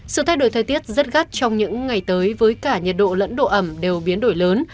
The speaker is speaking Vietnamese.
sự thay đổi thời tiết rất gắt trong những ngày tới với cả nhiệt độ lẫn độ ẩm đều biến đổi lớn